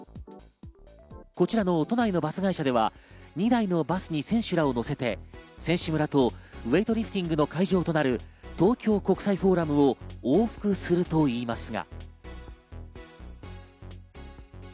こちらの都内のバス会社では２台のバスに選手らを乗せて選手村とウエイトリフティングの会場となる東京国際フォーラムを往復するといいますが。